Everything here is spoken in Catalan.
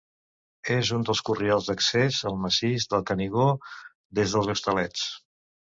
És un dels corriols d'accés al Massís del Canigó des dels Hostalets.